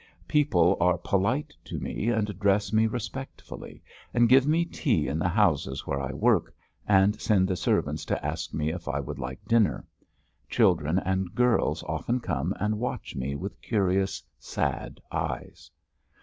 People are polite to me, and address me respectfully and give me tea in the houses where I work, and send the servant to ask me if I would like dinner. Children and girls often come and watch me with curious, sad eyes.